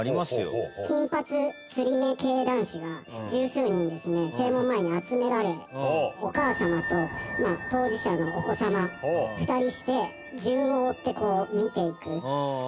「金髪つり目系男子が十数人ですね正門前に集められお母様と当事者のお子様２人して順を追って見ていくっていう」